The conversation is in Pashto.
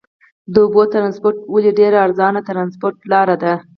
د اوبو ترانسپورت ولې ډېره ارزانه ترانسپورت لار ده؟